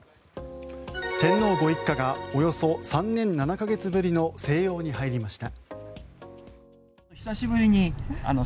天皇ご一家がおよそ３年７か月ぶりの静養に入られました。